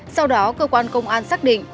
sau đó cơ quan công an xác định